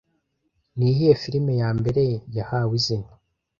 Niyihe firime yambere yahawe izina